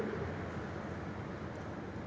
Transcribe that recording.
dari ini tadi kami memutuskan